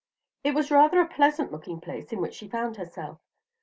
It was rather a pleasant looking place in which she found herself.